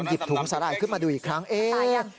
หยิบถุงสาหร่ายขึ้นมาดูอีกครั้งเอ๊ะตายอ่ะ